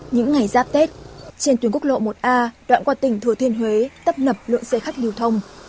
những ngày giáp tết trên tuyến quốc lộ một a đoạn qua tỉnh thừa thiên huế tấp nập lượng xe khách lưu thông